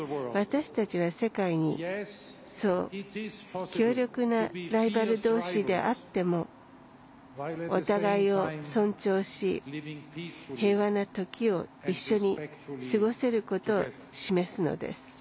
私たちは世界に強力なライバル同士であってもお互いを尊重し、平和なときを一緒に過ごせることを示すのです。